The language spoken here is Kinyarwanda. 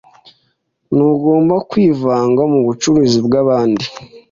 Ntugomba kwivanga mubucuruzi bwabandi.